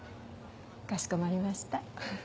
かしこまりました。